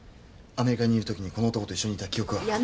アメリカにいるときにこの男と一緒にいた記憶は。